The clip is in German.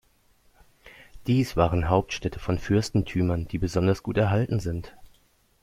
Dies waren Hauptstädte von Fürstentümern, die besonders gut erhalten sind.